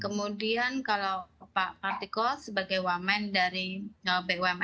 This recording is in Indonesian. kemudian kalau pak partikul sebagai waman ya itu sudah punya pengalaman di bidang keuangan ya